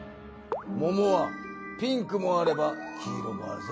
ももはピンクもあれば黄色もあるぞ。